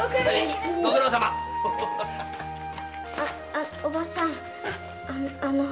あおばさんあの。